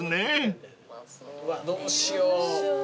うわどうしよう。